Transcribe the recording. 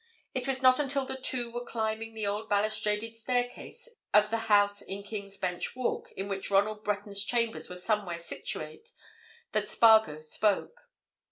It was not until the two were climbing the old balustrated staircase of the house in King's Bench Walk in which Ronald Breton's chambers were somewhere situate that Spargo spoke.